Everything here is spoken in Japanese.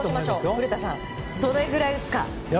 どれぐらいですか？